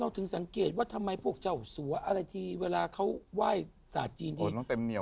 เราถึงสังเกตว่าทำไมพวกเจ้าสัวอะไรที่เวลาเขาไหว้ศาสตร์จีนที่